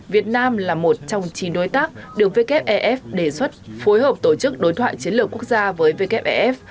việt nam là một trong chín đối tác được wef đề xuất phối hợp tổ chức đối thoại chiến lược quốc gia với wfef